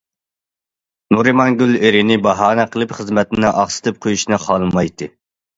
نۇرىمانگۈل ئېرىنى باھانە قىلىپ خىزمەتنى ئاقسىتىپ قويۇشنى خالىمايتتى.